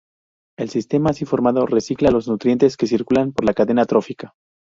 El sistema así formado recicla los nutrientes que circulan por la cadena trófica.